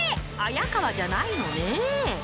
あやかわじゃないのね。